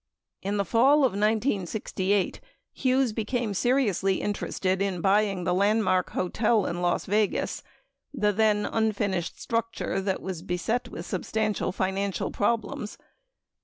In the fall of 1968 Hughes became seriously interested in buying the Landmark Hotel in Las Vegas, 14 the then unfinished structure that was beset with substantial financial problems.